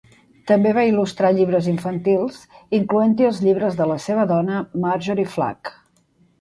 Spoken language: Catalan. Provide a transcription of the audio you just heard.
També va il·lustrar llibres infantils, incloent-hi els llibres de la seva dona, Marjorie Flack.